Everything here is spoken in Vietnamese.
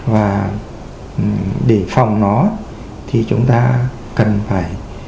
và để phòng nó thì chúng ta phải điều trị các cái nguyên nhân gây hạ nát ri máu